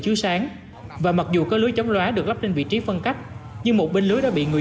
đoán và mặc dù cơ lưới chống loá được lắp lên vị trí phân cách nhưng một bên lưới đã bị người